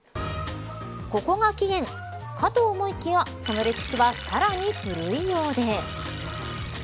ここが起源、かと思いきやその歴史は、さらに古いようで。